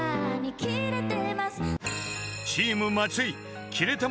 ［チーム松井］